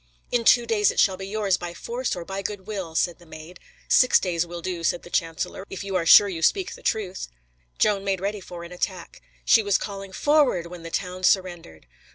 "In two days it shall be yours, by force or by good will," said the Maid. "Six days will do," said the chancellor, "if you are sure you speak truth." Joan made ready for an attack. She was calling "Forward!" when the town surrendered.